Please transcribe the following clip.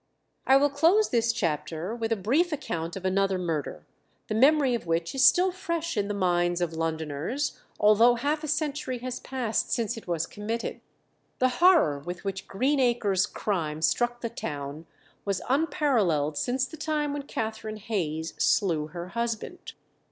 I will close this chapter with a brief account of another murder, the memory of which is still fresh in the minds of Londoners, although half a century has passed since it was committed. The horror with which Greenacre's crime struck the town was unparalleled since the time when Catherine Hayes slew her husband.